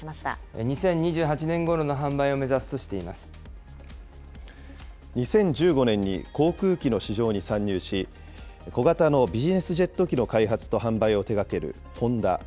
２０２８年ごろの販売を目指２０１５年に航空機の市場に参入し、小型のビジネスジェット機の開発と販売を手がけるホンダ。